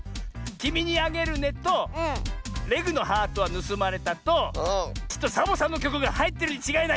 「きみにあげるね」と「レグのハートがぬすまれた！」ときっとサボさんのきょくがはいってるにちがいない。